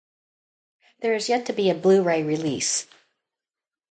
There has yet to be a Blu-Ray release.